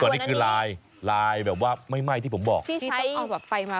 ส่วนนี้คือลายลายแบบว่าไม่ไหม้ที่ผมบอกที่ใช้เอาแบบไฟมา